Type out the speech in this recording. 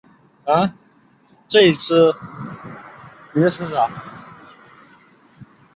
南山县治梅菉镇析吴川县地设梅菉市。